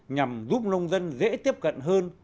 nhằm giúp nông dân dễ tiếp cận hơn